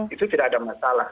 itu tidak ada masalah